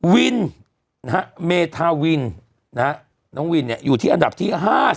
วินนะฮะเมทาวินน้องวินเนี่ยอยู่ที่อันดับที่๕๗